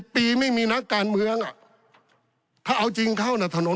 ปีไม่มีนักการเมืองถ้าเอาจริงเข้าน่ะถนน